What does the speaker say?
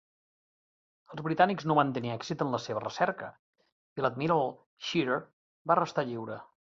Els britànics no van tenir èxit en la seva recerca i l'"Admiral Scheer" va restar lliure.